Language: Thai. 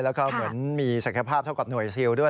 แล้วก็เหมือนมีศักยภาพเท่ากับหน่วยซิลด้วย